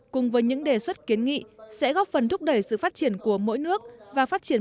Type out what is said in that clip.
cùng với những đề xuất kiến nghị sẽ góp phần thúc đẩy sự phát triển của mỗi nước và phát triển